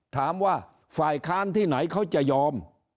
ถามว่าฝ่ายค้านที่ไหนเขาจะยอม